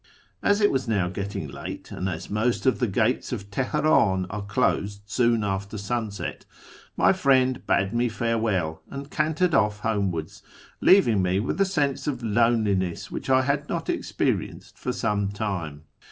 As it was now getting late, and as most of the gates of Teheran are closed soon after sunset, my friend bade me farewell, and cantered off homewards, leaving me with a sense of loneliness which I had not experienced for some time.